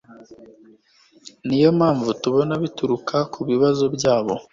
Niyo mpamvu tubona bituruka kubibazo byabo